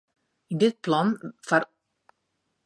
Yn dit plan fan oanpak wurdt in tal doelen formulearre.